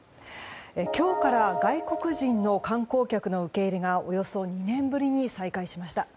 今日から外国人の観光客の受け入れがおよそ２年ぶりに再開しました。